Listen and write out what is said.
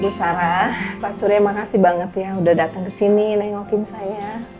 bu sarah pak surya makasih banget ya udah dateng kesini nengokin saya